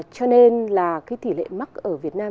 cho nên là cái tỷ lệ mắc ở việt nam